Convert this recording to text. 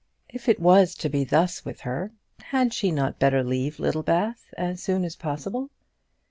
If it was to be thus with her, had she not better leave Littlebath as soon as possible?